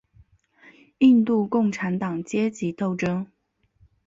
印度共产党阶级斗争。